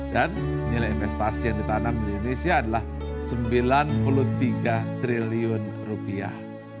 dan nilai investasi yang ditanam di indonesia adalah sembilan puluh tiga triliun rupiah